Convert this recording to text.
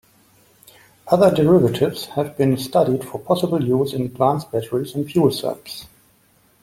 Other derivatives have been studied for possible use in advanced batteries and fuel cells.